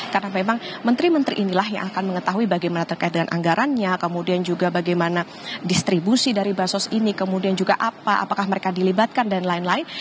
karena memang menteri menteri inilah yang akan mengetahui bagaimana terkait dengan anggarannya kemudian juga bagaimana distribusi dari bansos ini kemudian juga apa apakah mereka dilibatkan dan lain lain